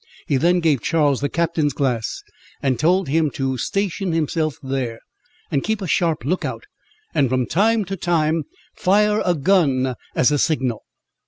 He then gave Charles the captain's glass, and told him to station himself there, and keep a sharp look out, and from time to time fire a gun, as a signal.